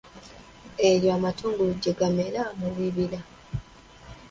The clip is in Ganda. Eyo amatungulu gye gamera mu bibira.